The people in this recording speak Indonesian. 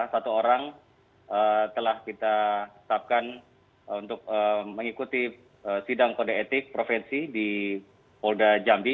satu orang telah kita tetapkan untuk mengikuti sidang kode etik provinsi di polda jambi